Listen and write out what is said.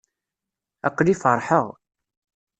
Aql-i feṛḥeɣ.